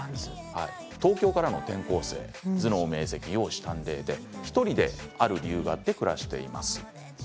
東京からの転校生頭脳明せき、容姿端麗で１人である理由があって暮らしています。